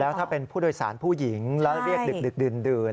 ถ้าเป็นผู้โดยสารผู้หญิงแล้วเรียกดึกดื่น